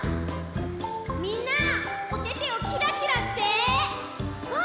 みんなおててをキラキラして！